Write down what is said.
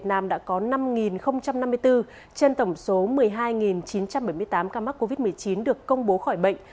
năm năm mươi bốn trên tổng số một mươi hai chín trăm bảy mươi tám ca mắc covid một mươi chín được công bố khỏi bệnh